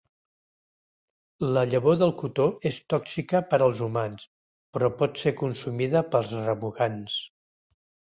La llavor del cotó és tòxica per als humans, però pot ser consumida pels remugants.